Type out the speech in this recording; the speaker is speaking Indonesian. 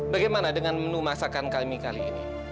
bagaimana dengan menu masakan kami kali ini